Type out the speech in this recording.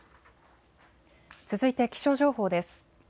続いて気象情報です。